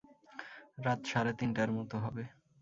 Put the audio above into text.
রাত সাড়ে তিনটার মতো হবে।